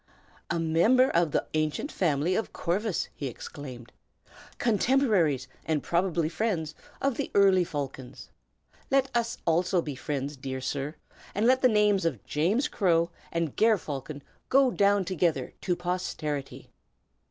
"A member of the ancient family of Corvus!" he exclaimed. "Contemporaries, and probably friends, of the early Falcons. Let us also be friends, dear sir; and let the names of James Crow and Ger Falcon go down together to posterity."